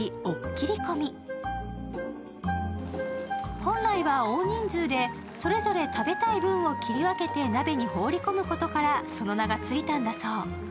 本来は大人数でそれぞれ食べたい分を切り分けて鍋に放り込むことからその名がついたんだそう。